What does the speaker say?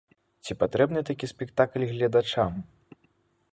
Ці патрэбны такі спектакль гледачам?